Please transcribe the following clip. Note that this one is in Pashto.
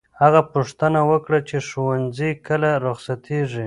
هغه پوښتنه وکړه چې ښوونځی کله رخصتېږي.